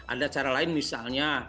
ada cara lain misalnya